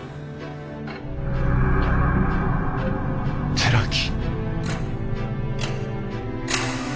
寺木。